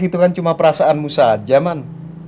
itu kan cuma perasaanmu saja man